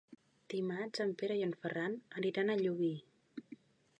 Dimarts en Pere i en Ferran aniran a Llubí.